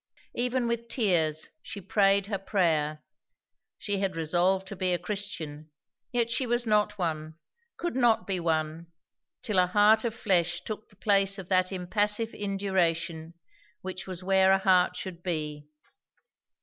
Even with tears she prayed her prayer. She had resolved to be a Christian; yet she was not one; could not be one; till a heart of flesh took the place of that impassive induration which was where a heart should be.